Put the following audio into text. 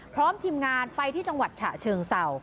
พร้อมทีมงานไปที่จังหวัดฉะเชิงเศร้า